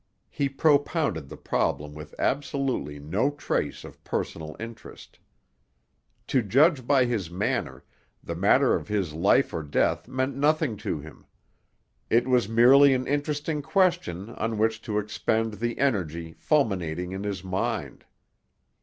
He propounded the problem with absolutely no trace of personal interest. To judge by his manner, the matter of his life or death meant nothing to him. It was merely an interesting question on which to expend the energy fulminating in his mind.